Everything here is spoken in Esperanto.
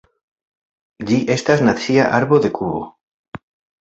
Ĝi estas nacia arbo de Kubo.